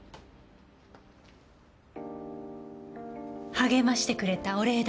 励ましてくれたお礼だって。